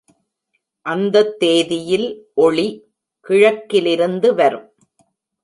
அந்தத் தேதியில் ஒளி கிழக்கிலிருந்து வரும்.